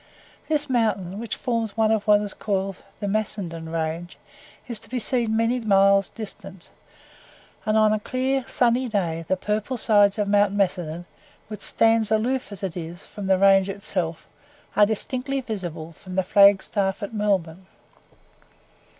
This mountain, which forms one of what is called the Macedon range, is to be seen many miles distant, and on a clear, sunny day, the purple sides of Mount Macedon, which stands aloof as it were, from the range itself, are distinctly visible from the flag staff at Melbourne.